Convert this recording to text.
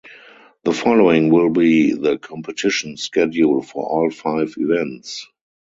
The following will be the competition schedule for all five events.